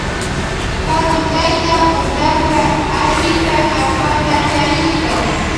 Hatu tayta puntaka achika allpata charishka.